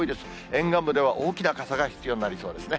沿岸部では大きな傘が必要になりそうですね。